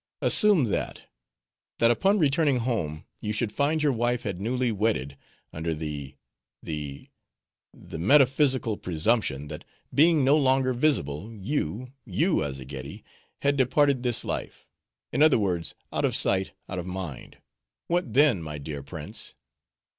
—Assume that—that upon returning home, you should find your wife had newly wedded, under the—the—the metaphysical presumption, that being no longer visible, you—you Azzageddi, had departed this life; in other words, out of sight, out of mind; what then, my dear prince?"